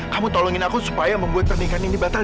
kamu tolongin aku supaya membuat pernikahan ini batal